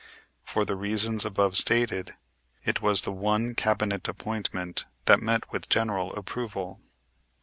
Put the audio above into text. For the reasons above stated, it was the one Cabinet appointment that met with general approval.